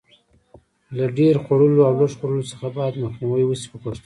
له ډېر خوړلو او لږ خوړلو څخه باید مخنیوی وشي په پښتو ژبه.